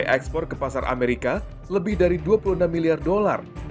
ekspor ke pasar amerika lebih dari dua puluh enam miliar dolar